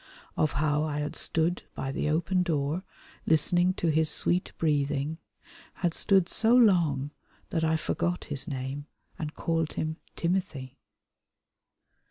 Of how I had stood by the open door listening to his sweet breathing, had stood so long that I forgot his name and called him Timothy.